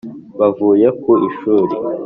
bavuye ku ishuri (